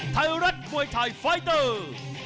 ไทยรัฐมวยไทยไฟเตอร์